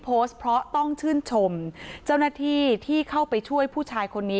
โพสต์เพราะต้องชื่นชมเจ้าหน้าที่ที่เข้าไปช่วยผู้ชายคนนี้